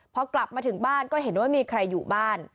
พอกลับมาถึงบ้านก็เห็นว่ามีใครอยู่บ้าน